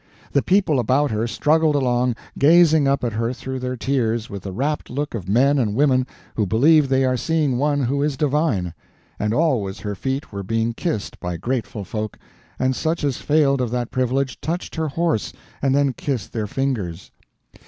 The people about her struggled along, gazing up at her through their tears with the rapt look of men and women who believe they are seeing one who is divine; and always her feet were being kissed by grateful folk, and such as failed of that privilege touched her horse and then kissed their fingers.